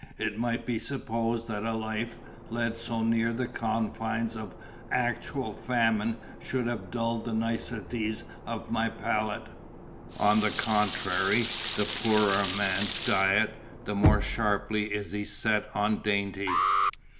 It might be supposed that a life, led so near the confines of actual famine, should have dulled the nicety of my palate. On the contrary, the poorer a man's diet, the more sharply is he set on dainties.